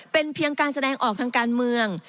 เป็นเพียงการแสดงออกทางการเมือง